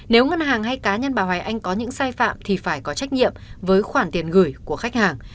nếu ngân hàng hay cá nhân bà hoài anh có những sai phạm thì phải có trách nhiệm với khoản tiền gửi của khách hàng